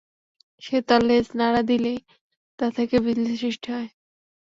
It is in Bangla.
সে তার লেজ নাড়া দিলেই তা থেকে বিজলী সৃষ্টি হয়।